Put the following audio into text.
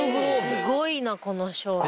すごいなこの商品。